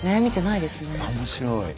面白い。